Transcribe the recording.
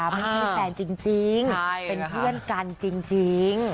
ไม่ใช่แฟนจริงเป็นเพื่อนกันจริง